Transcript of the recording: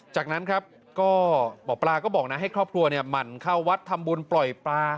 จากนั้นครับก็หมอปลาก็บอกนะให้ครอบครัวหมั่นเข้าวัดทำบุญปล่อยปลา